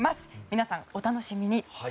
皆さん、お楽しみに。